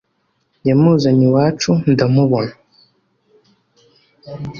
yamuzanye iwacu ndamubona